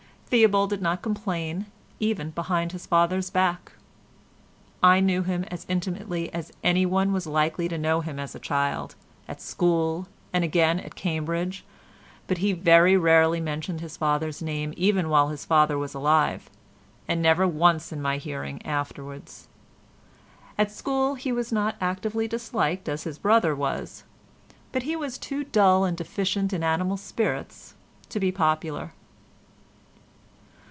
Theobald did not complain even behind his father's back. I knew him as intimately as anyone was likely to know him as a child, at school, and again at Cambridge, but he very rarely mentioned his father's name even while his father was alive, and never once in my hearing afterwards. At school he was not actively disliked as his brother was, but he was too dull and deficient in animal spirits to be popular.